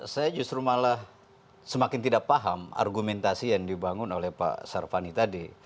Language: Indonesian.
saya justru malah semakin tidak paham argumentasi yang dibangun oleh pak sarvani tadi